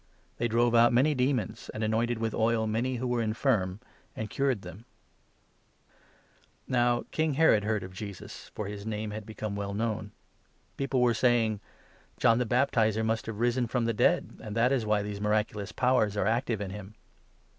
12 They drove out many demons, and anointed with oil many 13 who were infirm, and cured them. The Death ot Now King Herod heard of Jesus ; for his name 14 the Baptist, had become well known. People were saying — "John the Baptizer must have risen from the dead, and that is why these miraculous powers are active in him."